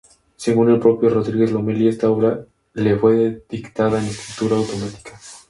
Según el propio Rodríguez Lomelí, esta obra le fue dictada en "escritura automática".